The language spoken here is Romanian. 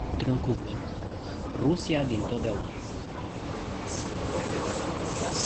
Într-un cuvânt, Rusia dintotdeauna.